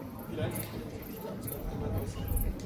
Vielleicht können Sie sich dazu noch einmal äußern.